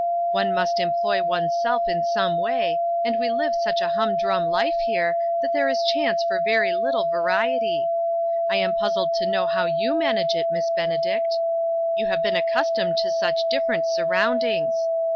One must em ploy one's self in some way, and we live such a humdrum life here that there is chance for very little variety. I am puzzled to know how you manage it, Miss Benedict ; you have been accustomed to such different surround ings.